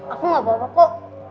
aku gak bawa bawa kok